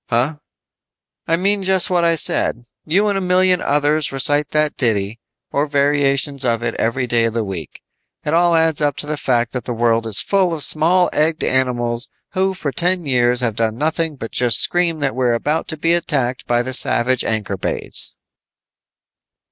"Huh?" "I mean just what I said. You and a million others recite that ditty, or variations of it every day of the week. It all adds up to the fact that the world is full of small egged animals who for ten years have done nothing but just scream that we're about to be attacked by the savage Ankorbades."